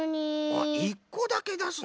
あっ１こだけだすな。